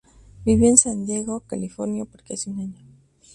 Vivió en San Diego, California, por casi un año.